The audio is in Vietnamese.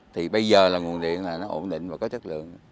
thì bây giờ là nguồn điện là nó ổn định và có chất lượng